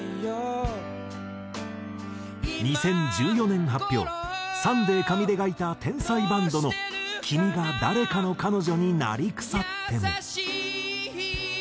２０１４年発表Ｓｕｎｄａｙカミデがいた天才バンドの『君が誰かの彼女になりくさっても』。